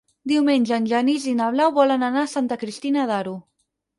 Diumenge en Genís i na Blau volen anar a Santa Cristina d'Aro.